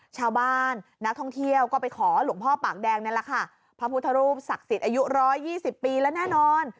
ชาวบ้านนักท่องเที่ยวก็ไปขอหลวงพ่อปากแดงนั่นแหละค่ะพระพุทธรูปศักดิ์สิทธิ์อายุร้อยยี่สิบปีแล้วแน่นอน